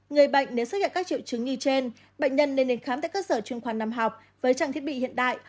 người bệnh nếu xuất hiện các triệu chứng như trên bệnh nhân nên đến khám tại cơ sở chuyên khoan năm học với trang thiết bị hiện đại